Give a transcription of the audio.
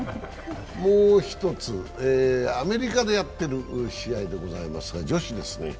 アメリカでやっている試合でございますが女子ですね。